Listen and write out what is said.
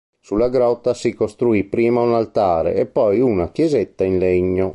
Sulla grotta si costruì prima un altare e poi una chiesetta in legno.